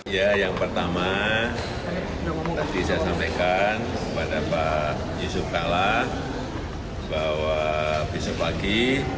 ya yang pertama tadi saya sampaikan kepada pak yusuf kalla bahwa besok pagi